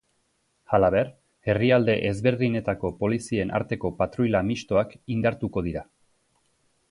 Halaber, herrialde ezberdinetako polizien arteko patruila mixtoak indartuko dira.